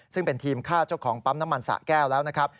ซึ่งเป็นทีมฆ่าเจ้าของปั๊มน้ำมันสะแก้วแล้วนะครับ